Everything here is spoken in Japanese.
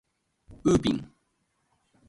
ウーピン